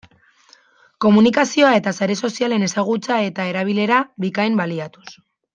Komunikazioa eta sare sozialen ezagutza eta erabilera bikain baliatuz.